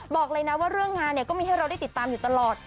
บอกเลยนะว่าเรื่องงานเนี่ยก็มีให้เราได้ติดตามอยู่ตลอด